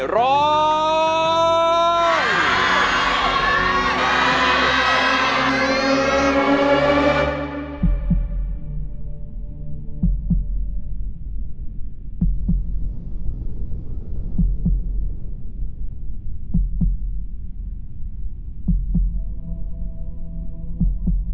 ร้อง